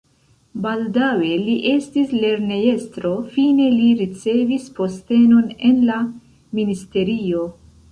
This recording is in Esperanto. Baldaŭe li estis lernejestro, fine li ricevis postenon en la ministerio.